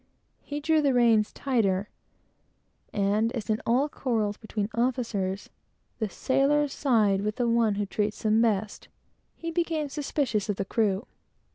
He drew the reins tauter; and as, in all quarrels between officers, the sailors side with the one who treats them best, he became suspicious of the crew.